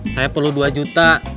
saya perlu dua juta